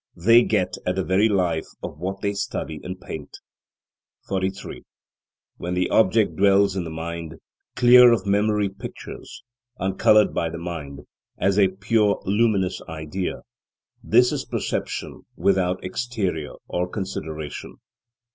They get at the very life of what they study and paint. 43. When the object dwells in the mind, clear of memory pictures, uncoloured by the mind, as a pure luminous idea, this is perception without exterior or consideration.